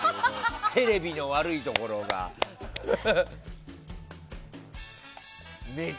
テレビの悪いところだよ。